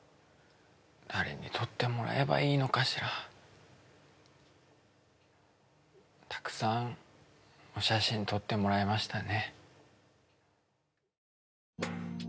誰に撮ってもらえばいいのかしらたくさんお写真撮ってもらいましたね・